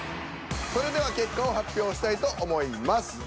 それでは結果を発表したいと思います。